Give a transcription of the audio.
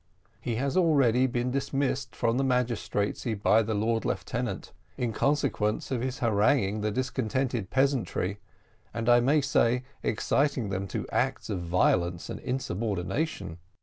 He has already been dismissed from the magistracy by the lord lieutenant, in consequence of his haranguing the discontented peasantry, and, I may say, exciting them to acts of violence and insubordination.